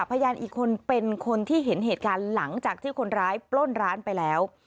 พยานอีกคนเป็นคนที่เห็นเหตุการณ์หลังจากที่คนร้ายปล้นร้านไปแล้ว